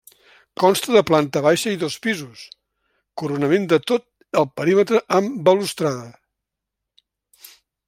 Consta de planta baixa i dos pisos, coronament de tot el perímetre amb balustrada.